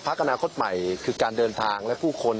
อนาคตใหม่คือการเดินทางและผู้คน